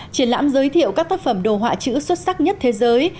triển lãm giới thiệu các tác phẩm đồ họa chữ xuất sắc nhất thế giới